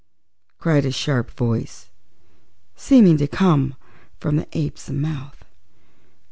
cried a sharp voice, seeming to come from the ape's mouth.